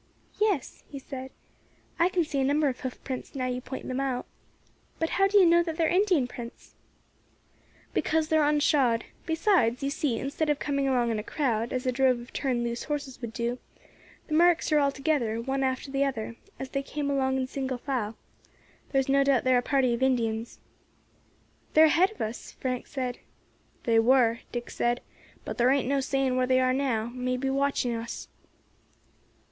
"Yes," he said, "I can see a number of hoof prints now you point them out. But how do you know that they are Indian prints?" "Because they are unshod; besides, you see, instead of coming along in a crowd, as a drove of turned loose horses would do, the marks are all together, one after the other, as they came along in single file. There is no doubt they are a party of Indians." "They are ahead of us," Frank said. "They were," Dick said, "but thar ain't no saying where they are now; may be watching us."